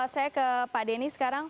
saya ke pak denny sekarang